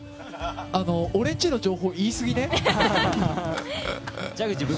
俺んちの情報、言い過ぎね。